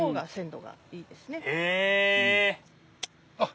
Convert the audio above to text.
あっ！